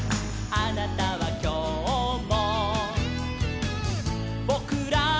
「あなたはきょうも」